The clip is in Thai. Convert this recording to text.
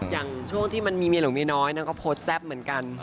อย่างช่วงที่มันมีเมียหลวงเมียน้อยนางก็โพสต์แซ่บเหมือนกัน